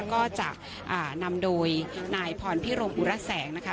ก็จะนำโดยนายพรพิรมอุระแสงนะคะ